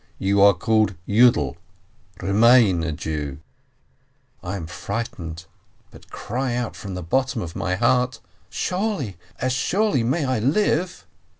You are called Yiidel — remain a Jew !" I am frightened, but cry out from the bottom of my heart : "Surely! As surely may I live!"